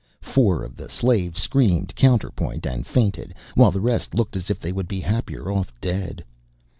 Four of the slaves screamed counterpoint and fainted, while the rest looked as if they would be happier off dead.